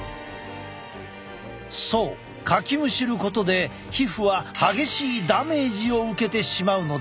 そうかきむしることで皮膚は激しいダメージを受けてしまうのだ。